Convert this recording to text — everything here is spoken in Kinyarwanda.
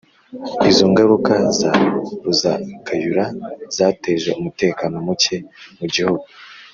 Izo ngaruka za Ruzagayura, zateje umutekano muke mu gihugu